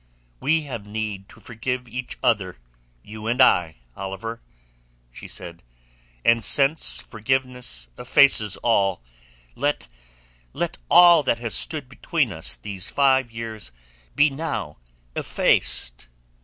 "We have need to forgive each other, you and I, Oliver," she said. "And since forgiveness effaces all, let... let all that has stood between us these last five years be now effaced."